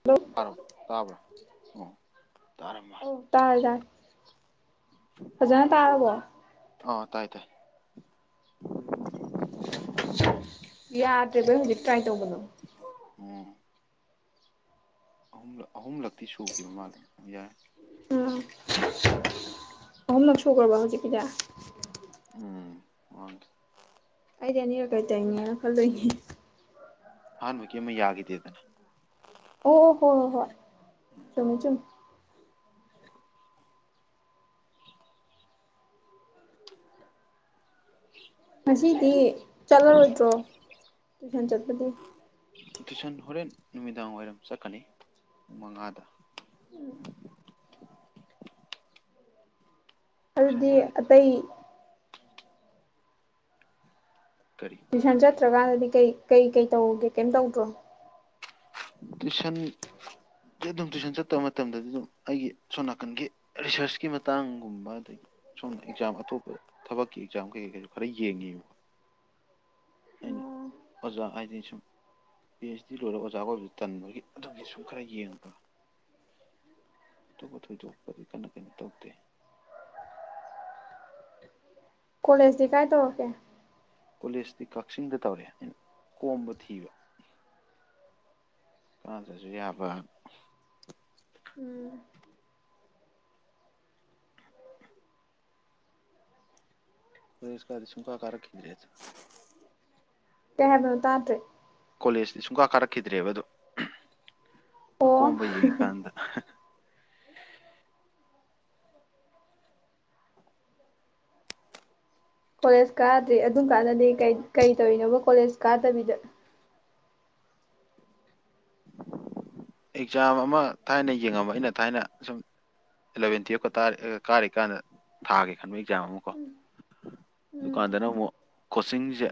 Hello ꯇꯥꯔꯣ ꯇꯥꯕ꯭ꯔꯣ ꯑꯣ ꯇꯥꯔꯝ ꯃꯥꯜꯂꯦ ꯑꯣ ꯇꯖꯔ ꯐꯖꯅ ꯇꯥꯔꯕꯣ ꯑ ꯇꯥꯏ ꯇꯥꯏ ꯎꯝ ꯌꯥ ꯌꯥ ꯂꯤꯇꯥꯏ ꯇꯣꯡꯅꯣ ꯑꯍ ꯑꯍꯨꯝꯂꯛꯇꯤ ꯁꯨꯈꯤꯕ ꯃꯥꯜꯂꯦ ꯌꯥꯏ ꯎꯝ ꯑꯍꯣꯝ ꯅ ꯁꯣꯛꯔꯕ ꯍꯧꯖꯤꯛ ꯄꯗ ꯎꯝ ꯍ ꯑꯩꯗꯤ ꯑꯅꯤꯔꯛ ꯀꯥꯏ ꯇꯥꯏꯅꯦꯅ ꯈꯜꯗꯣꯏꯅꯦ ꯑꯍꯥꯟꯕꯒꯤ ꯑꯃ ꯌꯥꯈꯤꯗꯦꯗꯅ ꯑꯣ ꯍꯣ ꯍꯣꯏ ꯎꯝ ꯆꯃꯤ ꯆ ꯑ ꯁꯤꯗꯤ ꯆꯠꯔ ꯑꯣꯏꯣꯏꯗ꯭ꯔꯣ ꯊ ꯆꯠꯄꯗꯤ ꯇꯨꯏꯤꯁꯟ ꯍꯣꯔꯦꯟ ꯅꯨꯃꯤꯗꯥꯡ ꯋꯥꯏꯔꯝ ꯆꯠꯀꯅꯤꯨꯡ ꯃꯉꯥꯗ ꯑꯗꯨꯗꯤ ꯇꯨꯏꯁꯟꯒꯁꯦ ꯑꯇꯩ ꯀꯔꯤ ꯇꯁꯟ ꯆ ꯆꯠꯇ꯭ꯔꯀꯥꯟꯗꯗꯤ ꯀꯩ ꯀꯩ ꯀꯩ ꯇꯧꯒꯦ ꯀꯩꯝ ꯇꯧꯗ꯭ꯔꯣ ꯇꯨꯏꯁꯟ ꯗꯤ ꯑꯗꯨꯝ ꯇꯨꯏꯁꯟ ꯆꯠꯇꯕ ꯃꯇꯝꯗꯗꯤ ꯑꯗꯨꯝ ꯑꯩꯒꯤ ꯁꯣꯝ ꯅꯥꯀꯟꯒꯤ ꯔꯤꯁꯔꯁꯀꯤ ꯃꯇꯥꯡꯒꯨꯝꯕ ꯑꯗꯒꯤ ꯁꯣꯝꯅ ꯑꯦꯛꯖꯥꯝ ꯑꯇꯣꯞꯄ ꯊꯕꯛꯀꯤ ꯑꯦꯛꯖꯥꯝ ꯀꯩꯀꯩ ꯀꯩꯁꯨ ꯈꯔ ꯌꯦꯡꯉꯦꯕꯀꯣ ꯑꯩꯅ ꯑꯣꯖꯥ ꯍꯥꯏꯗꯤ ꯁꯨꯝ ꯄꯤ ꯑꯩꯩꯆ ꯗꯤ ꯂꯣꯏꯔ ꯑꯣꯖꯥꯒ ꯑꯣꯏꯕꯁ ꯇꯟꯕꯒꯤ ꯑꯗꯨꯒꯤ ꯁꯨꯝ ꯈꯔ ꯌꯦꯡꯕ ꯑꯗꯨꯒ ꯊꯣꯏꯗꯣꯛꯄꯗꯤ ꯀꯟꯅ ꯀꯩꯅꯣ ꯇꯧꯗꯦ ꯀꯣꯂꯦꯖꯗꯤ ꯀꯥꯏ ꯇꯧꯔꯛꯀꯦ ꯀꯣꯂꯦꯖꯇꯤ ꯀꯛꯆꯤꯡꯗ ꯇꯧꯔꯛꯑꯦ ꯑꯩꯅ ꯀꯣꯝꯕ ꯊꯤꯕ ꯀꯥꯗ꯭ꯔꯖꯨ ꯌꯥꯕ ꯎꯝ ꯀꯣꯂꯦꯁꯀꯥꯗꯤ ꯁꯨꯡꯀꯤ ꯀꯥꯔꯛꯈꯤꯗ꯭ꯔꯦꯗ ꯀꯩ ꯍꯥꯏꯕ ꯇꯥꯗ꯭ꯔꯦ ꯀꯣꯂꯦꯖꯇꯤ ꯁꯨꯡꯀꯥ ꯀꯥꯔꯛꯈꯤꯗ꯭ꯔꯦꯕ ꯑꯗꯨꯝ ꯑꯀꯣꯝꯕ ꯑꯣ ꯌꯦꯡꯉꯤꯀꯥꯟꯗ ꯑꯟꯑꯣꯗꯤꯕꯜ ꯀꯣꯂꯦꯖ ꯀꯥꯗ꯭ꯔꯤ ꯑꯗꯨꯝ ꯀꯥꯟꯗꯗꯤ ꯀꯩ ꯀꯩ ꯇꯧꯔꯤꯅꯣꯕ ꯀꯣꯂꯦꯖ ꯀꯥꯗꯕꯤꯗ ꯑꯦꯛꯖꯥꯝ ꯑꯃ ꯊꯥꯏꯅ ꯌꯦꯡꯉꯝꯕ ꯑꯩꯅ ꯊꯥꯏꯅ ꯁꯨꯝ ꯑꯦꯂꯚꯦꯟ ꯇꯨꯌꯦꯜꯞꯀꯥ ꯀꯥꯔꯤꯛꯀꯥꯟꯗ ꯊꯥꯒꯦ ꯈꯟꯕ ꯑꯦꯛꯖꯥꯝ ꯑꯃ ꯀꯣ ꯎꯝ ꯑꯗꯨꯀꯥꯟꯗꯅ ꯑꯃꯨꯛ ꯀꯣꯆꯤꯡꯖꯦ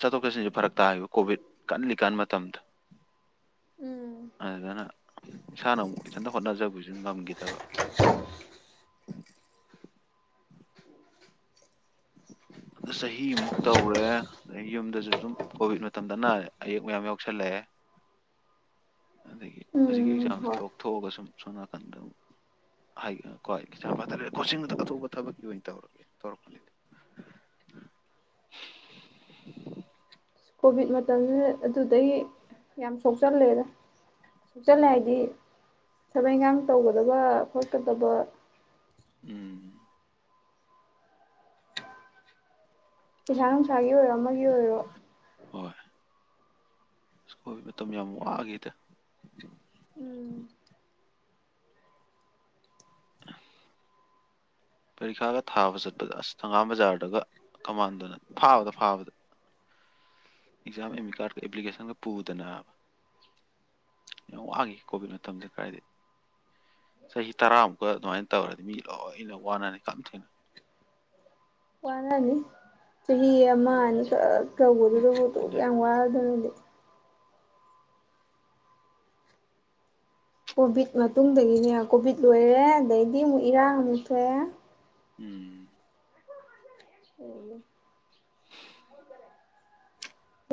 ꯆꯠꯊꯣꯛ ꯆꯠꯁꯤꯟꯁꯦ ꯐꯔꯛ ꯇꯥꯏꯌꯦꯕ ꯀꯣꯚꯤꯠ ꯀꯟꯜꯂꯤꯀꯥꯟ ꯃꯇꯝꯗꯨ ꯎꯝ ꯑꯗꯨꯗꯅ ꯏꯁꯥꯅ ꯑꯃꯨꯛ ꯏꯊꯟꯇ ꯍꯣꯠꯅꯖꯕꯁꯨ ꯉꯝꯒꯤꯗꯕ ꯑ ꯆꯍꯤꯃꯨꯛ ꯇꯧꯔꯦ ꯑꯗꯩ ꯌꯨꯝꯗꯁꯨ ꯁꯨꯝ ꯀꯣꯚꯤꯠ ꯃꯇꯝꯗꯅ ꯑꯌꯦꯛ ꯃꯌꯥꯝ ꯌꯥꯎꯁꯜꯂꯛꯑꯦ ꯑꯗꯒꯤ ꯍꯧꯖꯤꯛꯀꯤ ꯎꯝ ꯑꯦꯛꯖꯥꯝꯁꯤ ꯍꯣꯏ ꯇꯣꯛꯊꯣꯛꯑꯒ ꯁꯨꯝ ꯁꯣꯝ ꯅꯥꯀꯟꯗ ꯑꯃꯨꯛ ꯍꯥꯏ ꯑ ꯀꯣ ꯑꯟꯏꯟꯇꯦꯜꯂꯤꯖꯦꯕꯜ ꯀꯣꯆꯤꯡꯗꯨ ꯑꯇꯣꯞꯄ ꯊꯕꯛꯀꯤ ꯑꯣꯏꯅ ꯇꯧꯔꯒꯦ ꯇꯧꯔꯛꯄꯅꯤ ꯀꯣꯚꯤꯗ ꯃꯇꯝꯗꯨꯗ ꯑꯗꯨꯗꯩ ꯌꯥꯝ ꯁꯣꯛꯆꯜꯂꯦꯗ ꯁꯣꯛꯆꯜꯂꯦ ꯎꯝ ꯍꯥꯏꯗꯤ ꯊꯕꯛ ꯏꯟꯒꯥꯡ ꯇꯧꯕꯗꯒ ꯈꯣꯠꯀꯗꯕ ꯎꯝ ꯄꯩꯁꯥ ꯌꯥꯝ ꯅꯨꯡꯁꯥꯒꯤ ꯑꯣꯏꯔꯣ ꯑꯃꯒꯤ ꯑꯣꯏꯔꯣ ꯍꯣꯏ ꯁ ꯀꯣꯚꯤꯗ ꯃꯇꯝ ꯌꯥꯝ ꯋꯥꯒꯤꯗ ꯎꯝ ꯄꯔꯤꯈ꯭ꯌꯥꯒ ꯊꯥꯕ ꯆꯠꯄꯗ ꯑꯁ ꯊꯪꯒꯥꯝ ꯕꯖꯥꯔꯗꯒ ꯀꯃꯥꯟꯗꯣꯅ ꯐꯥꯕꯗ ꯐꯥꯕꯗ ꯑꯦꯛꯖꯥꯛ ꯑꯦꯃꯤ ꯀꯥꯔꯗꯀ ꯑꯦꯞꯄ꯭ꯂꯤꯁ ꯇꯪꯒ ꯄꯨꯗꯅꯕ ꯌꯥꯝ ꯋꯥꯒꯤ ꯀꯣꯚꯤꯠ ꯃꯇꯝꯗ ꯀꯗꯥꯏꯗꯩ ꯆꯍꯤ ꯇꯔꯥꯃꯨꯛꯀ ꯑꯗꯨꯃꯥꯏꯅ ꯇꯧꯔꯗꯤ ꯃꯤ ꯂꯣꯏꯅ ꯋꯥꯅꯅꯤ ꯈꯝ ꯊꯦꯡꯅ ꯋꯥꯅꯅꯤ ꯆꯍꯤ ꯑꯃ ꯑꯅꯤ ꯈꯛ ꯇꯧꯕꯗꯨꯗꯕꯨ ꯑꯗꯨꯛ ꯌꯥꯝ ꯋꯥꯔꯗꯨꯅꯗꯤ ꯀꯣꯚꯤꯠ ꯃꯇꯨꯡꯗꯒꯤꯅꯦ ꯀꯣꯚꯤꯠ ꯂꯣꯏꯔꯦ ꯑꯗꯩꯗꯤ ꯑꯃꯨꯛ ꯏꯔꯥꯡ ꯑꯃꯨꯛ ꯊꯣꯛꯑꯦ ꯎꯝ ꯑꯟꯏꯟꯇꯦꯜꯂꯤꯖꯦꯕꯜ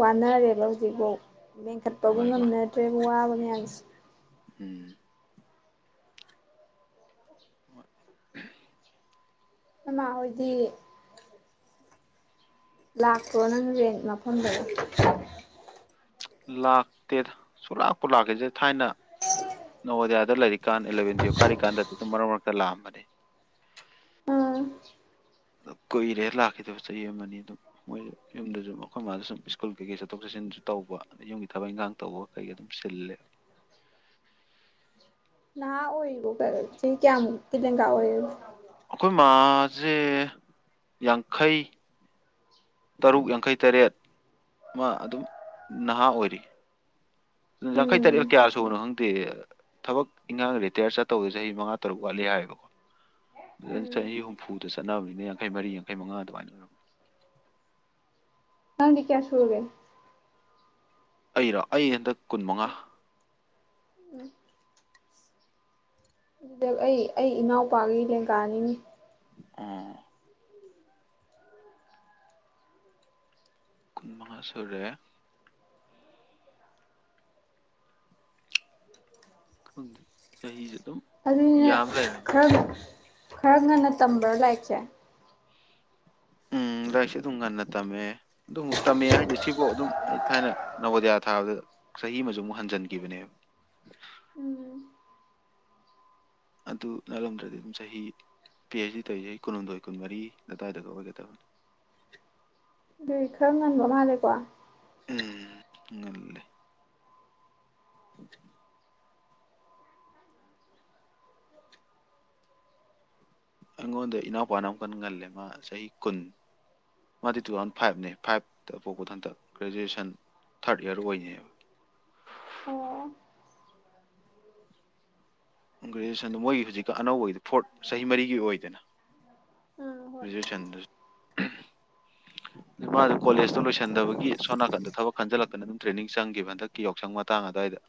ꯋꯥꯅꯔꯦꯕ ꯍꯧꯖꯤꯛ ꯕꯥꯎ ꯃꯦꯟꯈꯠꯄꯕꯨ ꯍꯣꯏ ꯍꯣꯏ ꯉꯝꯅꯗ꯭ꯔꯦꯕ ꯋꯥꯕ ꯗꯨꯅꯦ ꯍꯥꯏꯁꯤ ꯎꯝ ꯑꯝ ꯑꯈꯣꯏꯃꯥ ꯍꯣꯏꯗꯤ ꯂꯥꯛꯄ꯭ꯔꯣ ꯅꯪ ꯔꯦꯟ ꯃꯐꯝꯗ ꯂꯥꯛꯇꯦꯗ ꯁꯨꯂꯥꯛꯄꯨ ꯂꯥꯛꯈꯤꯗ꯭ꯔꯦꯗ ꯊꯥꯏꯅ ꯕꯣꯗꯤꯌꯥꯗ ꯂꯥꯏꯔꯤꯛ ꯀꯥꯟ ꯑꯦꯂꯦꯚꯦꯟ ꯇꯨꯌꯦꯜꯄ ꯀꯥꯔꯤꯀꯥꯟꯗ ꯑꯗꯨꯝ ꯃꯔꯛ ꯃꯔꯛ ꯗ ꯂꯥꯛꯑꯝꯕꯅꯦ ꯎꯝ ꯑ ꯀꯨꯏꯔꯦ ꯂꯥꯛꯈꯤꯗꯕ ꯆꯍꯤ ꯑꯃꯅꯤ ꯑꯗꯨꯝ ꯃꯣꯏꯁꯨ ꯌꯨꯝꯗꯁꯨ ꯑꯩꯈꯣꯏ ꯃꯥꯗꯨ ꯁꯨꯝ ꯁ꯭ꯀꯨꯜ ꯀꯩꯀꯩ ꯆꯠꯊꯣꯛ ꯆꯠꯁꯤꯟꯁꯨ ꯇꯧꯕ ꯑꯗꯩ ꯌꯨꯝꯒꯤ ꯊꯕꯛ ꯏꯪꯈꯥꯡ ꯇꯧꯕ ꯀꯩꯒ ꯑꯗꯨꯝ ꯆꯤꯜꯂꯦ ꯅꯍꯤ ꯑꯣꯏꯔꯤꯕꯣ ꯀ ꯆꯍꯤ ꯀꯌꯥꯃꯨꯛꯀꯤ ꯂꯦꯡꯒꯥ ꯑꯣꯏꯔꯤꯅꯣ ꯑꯩꯈꯣꯏ ꯃꯥꯖꯦ ꯌꯥꯡꯈꯩ ꯇꯔꯨꯛ ꯌꯥꯡꯈꯩꯇꯔꯦꯠ ꯃꯥ ꯑꯗꯨꯝ ꯅꯍꯥ ꯑꯣꯏꯔꯤ꯫ ꯌꯥꯡꯈꯩ ꯎꯝ ꯇꯔꯦꯠ ꯀꯌꯥ ꯁꯨꯕꯅꯣ ꯈꯪꯗꯦ ꯊꯕꯛ ꯏꯪꯈꯥꯡ ꯔꯤꯇꯥꯌꯔ ꯆꯠꯇꯧꯕ ꯆꯍꯤ ꯃꯉꯥ ꯇꯔꯨꯛ ꯋꯥꯠꯂꯤ ꯍꯥꯏꯌꯦꯕ [unintelligible] ꯎꯝ ꯆꯍꯤ ꯍꯨꯝꯐꯨꯗ ꯆꯠꯅꯕꯅꯤꯅ ꯌꯥꯡꯈꯩ ꯃꯔꯤ ꯌꯥꯡꯈꯩ ꯃꯉꯥ ꯑꯗꯨꯃꯥꯏꯅ ꯑꯣꯏꯔꯃꯅꯤ꯫ ꯅꯪꯗꯤ ꯀꯌꯥꯁꯨꯨꯔꯒꯦ꯫ ꯑꯩꯔꯣ ꯑꯩ ꯍꯟꯗꯛ ꯀꯨꯟ ꯃꯉꯥ꯫ [unintelligible] ꯑꯩ ꯑꯩ ꯏꯅꯥꯎꯄꯥꯒꯤ ꯂꯦꯡꯒꯥꯅꯤꯅꯦ ꯑ ꯀꯨꯟꯃꯉꯥ ꯁꯨꯔꯦ꯫ ꯈꯪꯗꯦ ꯆꯍꯤꯖꯦ ꯑꯗꯨꯗꯤꯅꯦ ꯈꯔꯒ ꯈꯔ ꯉꯟꯅ ꯇꯝꯕ꯭ꯔꯥ ꯂꯥꯏꯔꯤꯛꯆꯦ꯫ ꯎꯝ ꯂꯥꯏꯔꯤꯛꯁꯦ ꯑꯗꯨꯝ ꯉꯟꯅ ꯇꯝꯃꯦ ꯑꯗꯨ ꯑꯃꯨꯛ ꯇꯝꯃꯦ ꯍꯥꯏꯖꯦ ꯁꯤꯕꯨꯛ ꯑꯗꯨꯝ ꯑꯩ ꯊꯥꯏꯅ ꯅꯣꯕꯣꯗꯤꯌꯥ ꯊꯥꯕꯗ ꯆꯍꯤ ꯑꯃꯖꯨ ꯑꯃꯨꯛ ꯍꯟꯖꯤꯟꯒꯤꯕꯅꯦꯕ꯫ ꯎꯝ ꯑꯗꯨ ꯅꯥꯠꯂꯝꯗ꯭ꯔꯗꯤ ꯑꯗꯨꯝ ꯆꯍꯤ ꯄꯤ ꯑꯩꯁ ꯗꯤ ꯇꯧꯏꯖꯦ ꯆꯍꯤ ꯀꯨꯟꯍꯨꯝꯗꯣꯏ ꯀꯨꯟꯃꯔꯤ ꯑꯗꯨꯋꯥꯏꯗꯒ ꯑꯣꯏꯒꯗꯕꯅꯤ꯫ ꯑꯗꯨꯏ ꯈꯔ ꯉꯟꯕ ꯃꯥꯜꯂꯦꯀꯣ꯫ ꯎꯝ ꯉꯜꯂꯦ꯫ ꯑꯩꯉꯣꯟꯗꯩ ꯏꯅꯥꯎꯄꯥꯅ ꯑꯃꯨꯛꯀꯟ ꯉꯜꯂꯦ ꯃꯥ ꯆꯍꯤ ꯀꯨꯟ ꯃꯥꯗꯤ ꯇꯨꯊꯥꯎꯖꯟ ꯐꯥꯏꯕꯅꯦ ꯐꯥꯏꯕꯇ ꯄꯣꯛꯄꯗꯣꯍꯟꯇꯛ ꯒ꯭ꯔꯦꯖꯨꯑꯦꯁꯟ ꯊꯥꯔꯠ ꯏꯌꯥꯔ ꯑꯣꯏꯅꯦꯕ꯫ ꯒ꯭ꯔꯦꯖꯨꯋꯦꯁꯟꯗꯣ ꯃꯣꯏꯒꯤ ꯍꯧꯖꯤꯛꯀꯤ ꯑꯅꯧꯕꯒꯤꯗꯤ ꯐꯣꯔꯠ ꯆꯍꯤ ꯃꯔꯤꯒꯤ ꯑꯣꯏꯗꯅ꯫ ꯑꯥ ꯍꯣꯏ ꯒ꯭ꯔꯦꯖꯨꯌꯦꯁꯟꯗ [unintelligible] ꯏꯃꯥꯗꯣ ꯀꯣꯂꯦꯖꯇꯣ ꯂꯣꯏꯁꯟꯗꯕꯒꯤ ꯁꯣꯝ ꯅꯥꯀꯟꯗ ꯊꯕꯛ ꯈꯟꯖꯜꯂꯛꯇꯅ ꯑꯗꯨꯝ ꯇ꯭ꯔꯦꯅꯤꯡ ꯆꯪꯒꯤꯕ ꯍꯟꯇꯛꯀꯤ ꯌꯥꯎꯁꯪ ꯃꯇꯥꯡ ꯑꯗꯨꯋꯥꯏꯗ꯫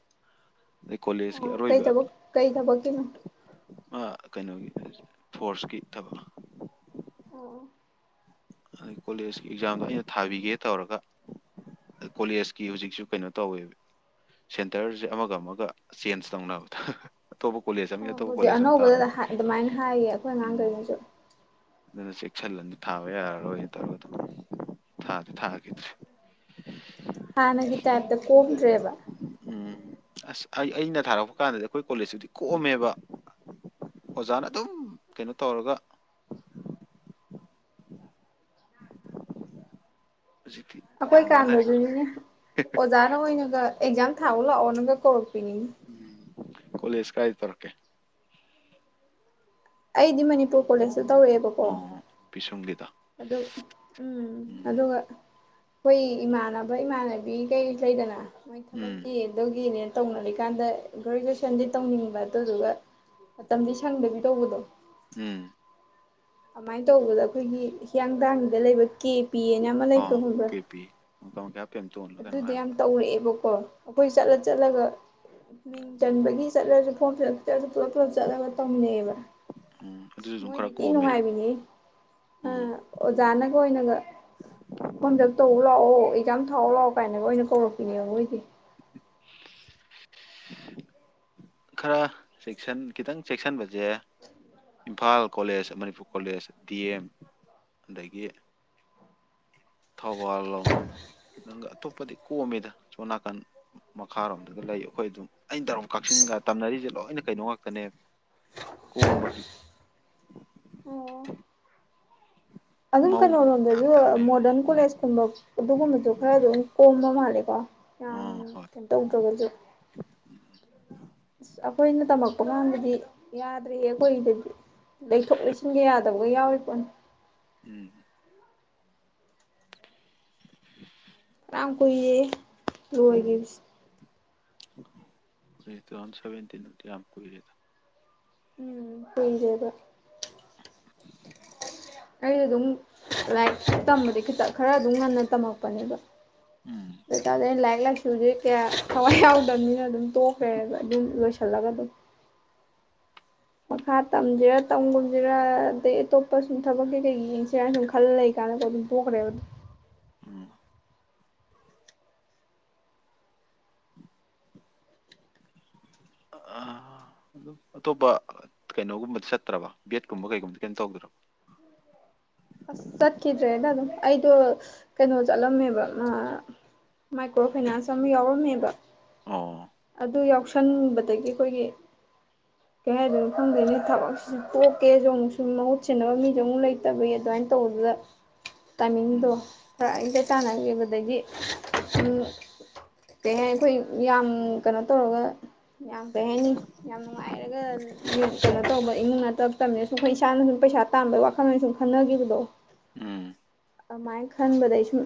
ꯀꯣꯂꯦꯖꯀꯤ ꯑꯣ ꯀꯩ ꯑꯔꯣꯏꯕ ꯊꯕꯛ ꯀꯩ ꯊꯕꯛꯀꯤꯅꯣ꯫ ꯑꯃ ꯀꯩꯅꯣꯒꯤ [unintelligible] ꯐꯣꯔꯁꯀꯤ ꯊꯕꯛ꯫ ꯑꯣ ꯀꯣꯂꯦꯖꯀꯤ ꯑꯦꯛꯖꯥꯝꯗꯣ ꯑꯩꯅ ꯊꯥꯕꯤꯒꯦ ꯇꯧꯔꯒ ꯀꯣꯂꯦꯖꯀꯤ ꯍꯧꯖꯤꯛꯁꯨ ꯀꯩꯅꯣ ꯇꯧꯋꯦꯕ ꯁꯦꯟꯇꯔꯖꯦ ꯑꯃꯒ ꯑꯃꯒ ꯆꯦꯟꯖ ꯇꯧꯅꯕꯗ ꯑꯇꯣꯞ ꯑꯣ ꯍꯧꯖꯤꯛ ꯑꯅꯧꯕꯗ ꯑꯗꯨꯃꯥꯏꯅ ꯍꯥꯏꯌꯦ ꯑꯩꯈꯣꯏ ꯎꯝ ꯑꯉꯥꯡꯈꯩꯅꯖꯨ꯫ ꯑꯗꯨꯅ ꯆꯦꯛꯁꯤꯜꯂꯗꯤ ꯊꯥꯕ ꯌꯥꯔꯔꯣꯏ ꯇꯧꯔ ꯑꯗꯨꯝ ꯊꯥꯗꯤ ꯊꯥꯒꯤꯗ꯭ꯔꯦ꯫ ꯍꯥꯟꯅꯒꯤ ꯇꯥꯏꯞꯇ ꯀꯣꯝꯗ꯭ꯔꯦꯕ꯫ ꯎꯝ ꯑꯁ ꯑꯩ ꯑꯩꯅ ꯊꯥꯔꯛꯄ ꯀꯥꯟꯗꯗꯤ ꯑꯩꯈꯣꯏ ꯀꯣꯂꯦꯖꯇꯨꯗꯤ ꯀꯣꯝꯃꯦꯕ ꯑꯣꯖꯥꯅ ꯑꯗꯨꯝ ꯀꯩꯅꯣ ꯇꯧꯔꯒ ꯍꯧꯖꯤꯛꯇꯤ ꯌꯥꯝ ꯑꯩꯈꯣꯏ ꯋꯥꯅꯔꯦ ꯀꯥꯟꯗꯖꯨꯅꯤꯅꯦ ꯑꯣꯖꯥꯅ ꯑꯣꯏꯅꯒ ꯑꯦꯛꯖꯥꯝ ꯊꯥꯎꯂꯥꯎꯅꯒ ꯀꯧ ꯕꯤꯅꯤ ꯎꯝ ꯀꯣꯂꯦꯖ ꯀꯥꯏ ꯇꯧꯔꯛꯀꯦ꯫ ꯑꯩꯗꯤ ꯃꯅꯤꯄꯨꯔ ꯀꯣꯂꯦꯖ꯫ ꯗ ꯇꯧꯔꯛꯑꯦꯕꯀꯣ ꯑꯣ ꯄꯤꯁꯨꯝꯒꯤꯗꯣ ꯑꯗꯨ ꯎꯝ ꯑꯗꯨꯒ ꯑꯩꯈꯣꯏ ꯏꯃꯥꯟꯅꯕ ꯏꯃꯥꯟꯅꯕꯤ ꯒꯩ ꯂꯩꯗꯅ꯫ ꯃꯣꯏ ꯎꯝ ꯊꯕꯛꯀꯤ ꯑꯗꯨꯒꯤꯅꯦ ꯇꯧꯅꯔꯤꯀꯥꯟꯗ ꯒ꯭ꯔꯦꯖꯨꯑꯦꯁꯟꯗꯤ ꯇꯧꯅꯤꯡꯕ ꯑꯗꯨꯗꯨꯒ ꯃꯇꯝꯗꯤ ꯁꯪꯗꯕꯤ ꯇꯧꯕꯗꯣ꯫ ꯎꯝ꯫ ꯑꯃꯥꯏ ꯇꯧꯕꯗ ꯑꯩꯈꯣꯏꯒꯤ ꯍꯤꯌꯥꯡꯗꯥꯡꯗ ꯂꯩꯕ ꯀꯦ ꯄꯤ ꯑꯅ ꯑꯃ ꯑ ꯀꯦ ꯄꯤ ꯀꯃꯈꯤꯌꯥ ꯄꯦꯝ ꯇꯣꯟꯂ ꯀꯩꯅꯣꯝ ꯑꯗꯨꯗꯨ ꯌꯥꯝ ꯍꯥꯏꯕꯗꯣ ꯇꯧꯔꯛꯑꯦ ꯫ [inaudible] ꯑꯩꯈꯣꯏ ꯆꯠꯂ ꯍꯣꯏ ꯆꯠꯂꯒ ꯃꯤꯡ ꯆꯟꯕꯒꯤ ꯆꯠꯂꯁꯨ ꯨ ꯐꯣꯝ ꯐꯤꯜ ꯑꯄ ꯇ ꯄꯨꯂꯞ ꯄꯨꯂꯞ ꯆꯠꯂꯒ ꯇꯧꯃꯤꯟꯅꯩꯑꯦꯕ ꯎꯝ ꯑꯗꯨꯁꯨ ꯑꯗꯨꯝ ꯃꯣꯏꯗꯤ ꯈꯔ ꯊꯤꯅ ꯀꯣꯝꯃꯤꯔꯥ ꯅꯨꯡꯉꯥꯏꯕꯤꯅꯦ ꯑ ꯎꯝ ꯑꯣꯖꯥꯅꯒ ꯑꯣꯏꯅꯒ ꯐꯣꯝ ꯐꯤꯜ ꯑꯄ ꯇꯧꯕ ꯂꯥꯛꯑꯣ ꯑꯦꯛꯖꯥꯝ ꯊꯥꯎ ꯂꯥꯎ ꯀꯥꯏꯅꯒ ꯑꯣꯏꯅ ꯀꯧꯔꯛꯄꯤꯅꯦꯕ ꯃꯣꯏꯗꯤ [unintelligible] ꯈꯔ ꯐꯔꯤꯁꯟ ꯈꯤꯇꯪ ꯆꯦꯛꯁꯤꯟꯕꯁꯦ Imphal college Manipur college D M ꯑꯗꯒꯤ ꯊꯧꯕꯥꯜ ꯂꯣꯝ ꯈꯤꯇꯪꯒ ꯑꯇꯣꯞꯄꯗꯤ ꯀꯣꯝꯃꯤꯗ ꯑꯁꯣꯟ ꯅꯥꯀꯟ ꯃꯈꯥꯔꯣꯝꯗꯒ ꯂꯩ ꯑꯩꯈꯣꯏ ꯑꯗꯨꯝ ꯑꯩꯅ ꯇꯧꯔꯛ ꯀꯛꯆꯤꯡꯒ ꯇꯝꯅꯔꯤꯁꯦ ꯂꯣꯏꯅ ꯀꯩꯅꯣ ꯉꯥꯛꯇꯅꯦ ꯀꯣꯝꯕꯒꯤ ꯑꯗꯨꯝ ꯃꯧ ꯌꯥꯝ ꯀꯩꯅꯣꯔꯣꯝꯗꯁꯨ ꯇꯝꯃꯦꯕ ꯃꯣꯗꯔꯟ ꯀꯣꯂꯦꯖ ꯀꯨꯝꯕ ꯑꯗꯨꯒꯨꯝꯕꯗꯨ ꯈꯔ ꯑꯗꯨꯝ ꯀꯣꯝꯕ ꯃꯥꯜꯂꯦ ꯑꯣ ꯑ ꯍꯣꯏ [inaudible] ꯑꯩꯈꯣꯏꯅ ꯇꯝꯃꯛꯄ ꯀꯥꯟꯗꯗꯤ ꯌꯥꯗ꯭ꯔꯦ ꯑꯩꯈꯣꯏꯗꯗꯤ ꯂꯩꯊꯣꯛ ꯂꯩꯁꯤꯟꯒ ꯌꯥꯗꯕꯒ ꯌꯥꯎ ꯄꯣꯅꯤ ꯎꯝ ꯐꯅꯌꯥꯝ ꯀꯨꯏꯌꯦ ꯂꯣꯏꯒꯤꯕꯁꯦ ꯇꯨ ꯊꯥꯎꯖꯟꯁꯚꯦꯟꯇꯤꯟꯗꯤ ꯌꯥꯝ ꯀꯨꯏꯔꯦꯗ ꯎꯝ ꯀꯨꯏꯔꯦꯕ ꯑꯩ ꯑꯗꯨꯝ ꯂꯥꯏꯔꯤꯛ ꯇꯝꯕꯗꯤ ꯈꯤꯇ ꯈꯔ ꯑꯗꯨꯝ ꯉꯟꯅ ꯇꯝꯃꯛꯄꯅꯦꯕ ꯎꯝ [inaudible] ꯂꯥꯏꯔꯤꯛ ꯂꯥꯏꯁꯨꯗꯤ ꯀꯌꯥ ꯊꯋꯥꯏ ꯌꯥꯥꯎꯗꯝꯅꯤꯅ ꯑꯗꯨꯝ ꯇꯣꯛꯈ꯭ꯔꯦꯕ ꯑꯗꯨꯝ ꯂꯣꯏꯁꯟ ꯍꯜꯂ ꯒ ꯗꯨꯝ ꯃꯈꯥ ꯇꯝꯁꯤꯔꯥ ꯇꯝꯒꯨꯝꯁꯤꯔ ꯑꯗꯩ ꯑꯇꯣꯞꯄ ꯁꯨꯝ ꯊꯕꯛ ꯀꯩ ꯀꯩ ꯌꯦꯡꯁꯤꯔꯥꯅ ꯁꯨꯝ ꯈꯜꯂ ꯂꯩ ꯀꯥꯟꯗꯀꯣ ꯑꯗꯨꯝ ꯊꯣꯛꯈ꯭ꯔꯦꯕ ꯗꯨꯝ ꯎꯝ ꯑ ꯗꯨꯝ ꯑꯇꯣꯞꯄ ꯀꯩꯅꯣꯒꯨꯝꯕꯗꯤ ꯆꯠꯇ꯭ꯔꯕ ꯕꯦꯠꯀꯨꯝꯕ ꯀꯩꯒꯨꯝꯕꯗꯤ ꯀꯩꯝ ꯇꯧꯗ꯭ꯔꯕ ꯑꯁ ꯆꯠꯈꯤꯗ꯭ꯔꯦꯗ ꯑꯗꯨꯝ ꯑꯩꯗꯣ ꯀꯩꯅꯣ ꯆꯠꯂꯝꯃꯦꯕ ꯑ ꯃꯥꯏꯀ꯭ꯔꯣ ꯐꯥꯏꯅꯥꯟꯁ ꯑꯃ ꯌꯥꯎꯔꯝꯃꯦꯕ ꯑꯣ ꯑꯗꯨ ꯌꯥꯎꯁꯟ ꯈꯟꯕꯗꯒꯤ ꯑꯩꯈꯣꯏꯒꯤ ꯀꯩ ꯍꯥꯏꯗꯣꯏꯅꯣ ꯈꯪꯗꯦꯅꯦ ꯊꯕꯛꯁꯤꯅ ꯇꯣꯛꯀꯦꯁꯨ ꯑꯃꯨꯛꯁꯨ ꯃꯍꯨꯠ ꯁꯤꯟꯅꯕ ꯃꯤꯁꯨ ꯑꯃꯨꯛ ꯂꯩꯇꯕꯩ ꯑꯗꯨꯃꯥꯏ ꯇꯧꯕꯗ ꯎꯝ ꯇꯥꯏꯃꯤꯡꯗꯣ ꯇꯥꯟꯅꯈꯤꯕꯗꯒꯤ ꯁꯨꯝ ꯀꯩ ꯍꯥꯏꯅꯤ ꯑꯩꯈꯣꯏ ꯌꯥꯝ ꯀꯩꯅꯣ ꯇꯧꯔꯒ ꯌꯥꯝ ꯀꯩ ꯍꯥꯏꯅꯤ ꯌꯥꯝ ꯅꯨꯡꯉꯥꯏꯔꯒ ꯀꯩꯅꯣ ꯇꯧꯕ ꯏꯃꯨꯡ ꯅꯠꯇꯛꯇꯕꯅ ꯁꯨꯝ ꯑꯩꯈꯣꯏ ꯏꯁꯥꯅ ꯁꯨꯝ ꯄꯩꯁꯥ ꯇꯥꯟꯕꯩ ꯋꯥꯈꯜꯗ ꯁꯨꯝ ꯈꯟꯅꯈꯤꯕꯗꯣ ꯎꯝ ꯑꯗꯨꯃꯥꯏꯅ ꯈꯟꯕꯗ ꯑꯩ ꯁꯨꯝ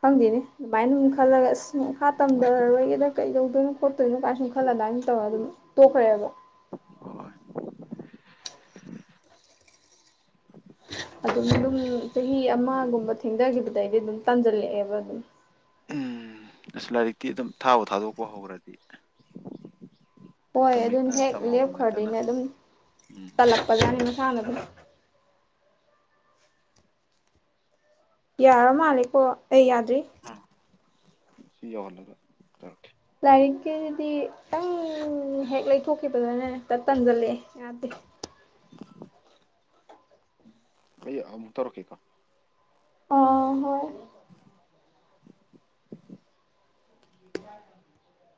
ꯈꯪꯗꯦꯅꯦ ꯑꯗꯨꯃꯥꯏꯅ ꯑꯗꯨꯝ ꯈꯜꯂꯒ ꯑꯁ ꯃꯈꯥ ꯇꯝꯗꯔꯔꯣꯏꯒꯦꯗ ꯀꯩꯗꯧꯗꯣꯏꯅꯣ ꯈꯣꯠꯇꯣꯏꯅꯣ ꯀꯃꯥꯏꯅ ꯁꯨꯝ ꯈꯜꯂ ꯑꯗꯨꯃꯥꯏꯅ ꯇꯧꯔꯒ ꯑꯗꯨꯝ ꯇꯣꯛꯈ꯭ꯔꯦꯕ ꯍꯣꯏ ꯑꯗꯨꯝ ꯑꯗꯨꯝ ꯆꯍꯤ ꯑꯃꯒꯨꯝꯕ ꯊꯦꯡꯗꯈꯤꯕꯗꯩꯗꯤ ꯑꯗꯨꯝ ꯇꯥꯟꯁꯤꯜꯂꯛꯑꯦꯕ ꯑꯗꯨꯝ ꯎꯝ ꯑꯁ ꯂꯥꯏꯔꯤꯛꯇꯤ ꯑꯗꯨꯝ ꯊꯥꯕꯨ ꯊꯥꯗꯣꯛꯄ ꯍꯧꯈ꯭ꯔꯗꯤ ꯍꯣꯏ ꯑꯗꯨꯅ ꯇꯝꯃꯤꯀꯥꯟ ꯍꯦꯛ ꯇꯝꯍꯧꯕ ꯅꯠꯇꯅ ꯂꯦꯞꯈ꯭ꯔꯗꯤꯅꯦ ꯑꯗꯨꯝ ꯎꯝ ꯇꯜꯂꯛꯄ ꯖꯥꯠꯅꯤ ꯃꯁꯥꯅ ꯑꯗꯨꯝ ꯌꯥꯔ ꯃꯥꯂꯦꯀꯣ ꯑꯦ ꯌꯥꯗꯔꯤ ꯑ ꯁꯤ ꯌꯧꯍꯟꯂꯒ ꯇꯧꯔꯛꯀꯦ ꯂꯥꯏꯔꯤꯛꯀꯤꯗꯨꯗꯤ ꯈꯤꯇꯪ ꯍꯦꯛ ꯂꯩꯊꯣꯛꯈꯤꯕꯗꯅꯦ ꯍꯦꯛꯇ ꯇꯟꯁꯤꯜꯂꯛꯑꯦ ꯌꯥꯗꯦ ꯑꯩ ꯑꯃꯨꯛ ꯇꯧꯔꯛꯀꯦꯀꯣ ꯑꯣ ꯍꯣꯏ [inaudible]